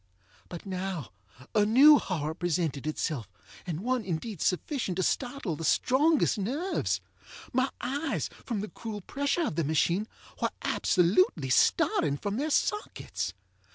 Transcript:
But now a new horror presented itself, and one indeed sufficient to startle the strongest nerves. My eyes, from the cruel pressure of the machine, were absolutely starting from their sockets.